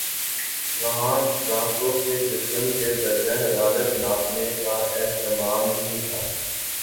وہاں گاہکوں کے جسم کے درجہ حرارت ناپنے کا اہتمام نہیں تھا